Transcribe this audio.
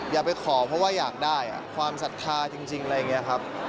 อย่าไปขอเพราะว่าอยากได้ความศรัทธาจริงอะไรอย่างนี้ครับ